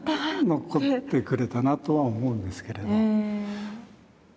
残ってくれたなとは思うんですけれど。